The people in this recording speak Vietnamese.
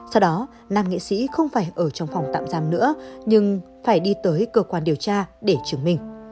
sau đó nam nghệ sĩ không phải ở trong phòng tạm giam nữa nhưng phải đi tới cơ quan điều tra để chứng minh